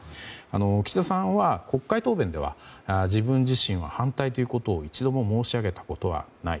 岸田さんは国会答弁では自分自身は反対ということを一度も申し上げたことはない。